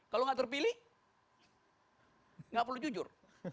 kalau nggak terpilih nggak perlu jujur